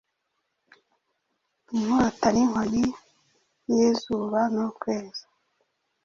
inkota n'inkoni y'izuba n'ukwezi,